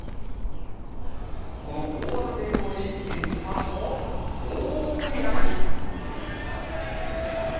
この大技成功に、現地ファンも大盛り上がり。